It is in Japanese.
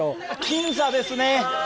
僅差ですね。